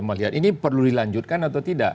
melihat ini perlu dilanjutkan atau tidak